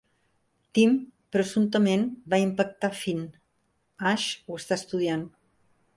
Tim presumptament va impactar Finn, Ash ho està estudiant.